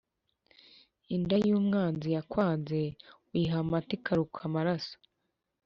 Inda y’umwanzi (yakwanze) uyiha amata ikaruka amaraso.